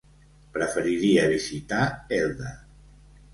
Preferiria visitar Elda.